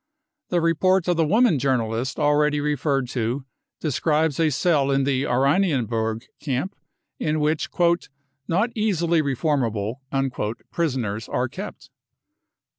* The report of the woman journalist already referred to describes a cell in the Oranienburg camp, in which <e not easily reformable " prisoners are kept.